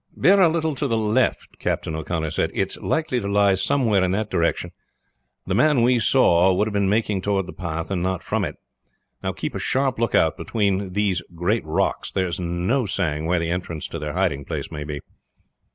"Bear a little to the left," Captain O'Connor said; "it is likely to lie somewhere in that direction. The man we saw would have been making toward the path and not from it. Keep a sharp lookout between these great rocks; there is no saying where the entrance to their hiding place may be."